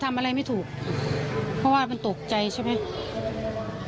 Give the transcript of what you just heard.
ทำอะไรไม่ถูกเพราะว่ามันตกใจใช่ไหม